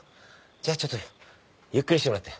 じゃあちょっとゆっくりしてもらって。